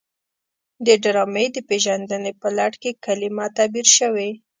د ډرامې د پیژندنې په لړ کې کلمه تعبیر شوې.